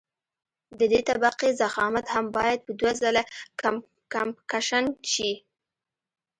د دې طبقې ضخامت هم باید په دوه ځله کمپکشن شي